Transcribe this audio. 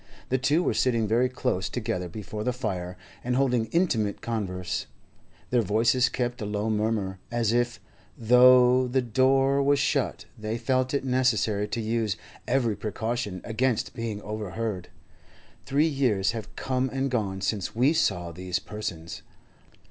The two were sitting very close together before the fire, and holding intimate converse; their voices kept a low murmur, as if; though the door was shut, they felt it necessary to use every precaution against being overheard. Three years have come and gone since we saw these persons.